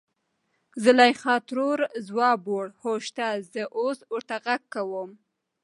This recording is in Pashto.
زليخا ترور ځواب وړ .هو شته زه اوس ورته غږ کوم.